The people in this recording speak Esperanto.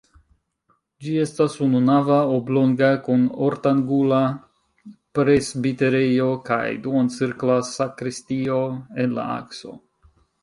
Ĝi estas ununava, oblonga kun ortangula presbiterejo kaj duoncirkla sakristio en la akso.